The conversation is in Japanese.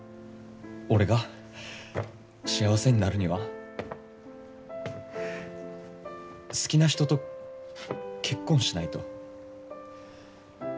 俺が幸せになるには好きな人と結婚しないと。